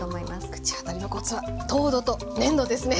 口当たりのコツは糖度と粘度ですね。